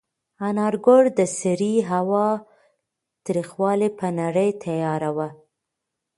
انارګل د سړې هوا تریخوالی په نره تېراوه.